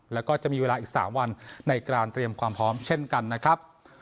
แล้วก็จะมีเวลาอีก๓วันในการเตรียมความพร้อมเช่นกันนะครับ